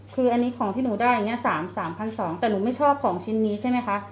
คืออันนี้ของที่หนูได้อย่างนี้๓๒๐๐บาทแต่หนูไม่ชอบของชิ้นนี้ใช่ไหมคะ